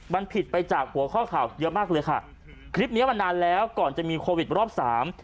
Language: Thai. มันผิดไปจากหัวข้อข่าวเยอะมากเลยค่ะคลิปเนี้ยมันนานแล้วก่อนจะมีโควิดรอบสาม